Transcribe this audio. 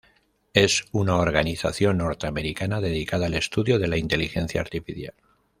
Es una organización norteamericana dedicada al estudio de la inteligencia artificial.